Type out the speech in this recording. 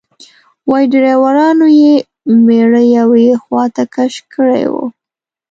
وایي ډریورانو یې میړه یوې خواته کش کړی و.